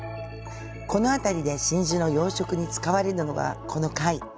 この辺りで真珠の養殖に使われるのがこの貝。